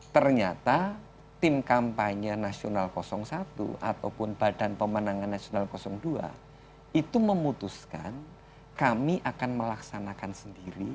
ternyata tim kampanye nasional satu ataupun badan pemenangan nasional dua itu memutuskan kami akan melaksanakan sendiri